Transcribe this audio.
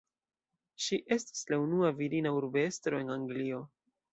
Ŝi estis la unua virina urbestro en Anglio.